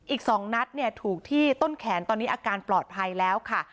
อีก๒นัดเนี่ยถูกที่ต้นแขนตอนนี้อาการปลอดภัยแล้วค่ะ